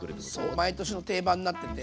毎年の定番になってて。